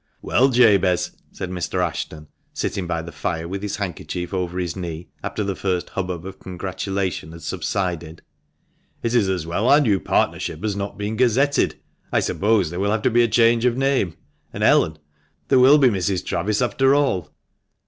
"Well, Jabez," said Mr. Ashton, sitting by the fire, with his handkerchief over his knee, after the first hubbub of congratulation had subsided, "it is as well our new partnership has not been gazetted. I suppose there will have to be a change of name, and Ellen there will be Mrs. Travis after all."